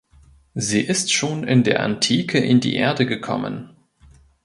Sie ist schon in der Antike in die Erde gekommen.